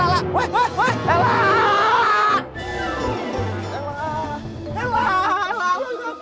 elah elah elah lo ngapain